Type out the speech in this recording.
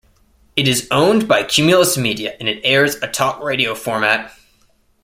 It is owned by Cumulus Media and it airs a talk radio format.